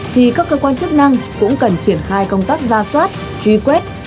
thì các cơ quan chức năng cũng cần triển khai công tác ra soát truy quét